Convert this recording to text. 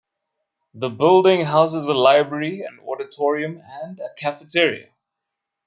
The building houses a library, an auditorium and a cafeteria.